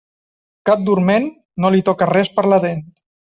Gat dorment, no li toca res per la dent.